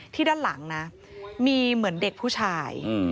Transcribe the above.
ด้านหลังนะมีเหมือนเด็กผู้ชาย